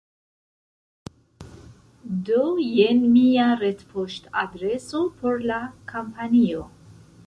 Do jen mia retpoŝtadreso por la kampanjo